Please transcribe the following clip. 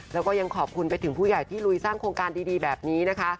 แล้วก็ยังขอบคุณไปถึงผู้ใหญ่ที่ลุยสร้างโครงการดีแบบนี้นะคะ